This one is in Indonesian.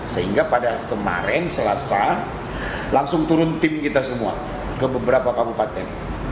sehingga pada kemarin selasa langsung turun tim kita semua ke beberapa kabupaten